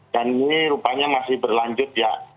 dan ini rupanya masih berlanjut ya